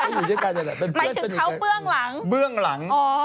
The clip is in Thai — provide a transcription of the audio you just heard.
หมายถึงเขาเบื่องหลัง